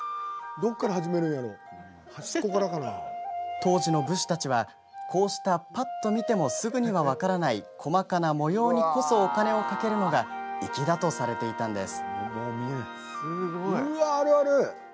当時の武士たちはこうした、ぱっと見てもすぐには分からない細かな模様にこそお金をかけるのが粋だとされていたんです。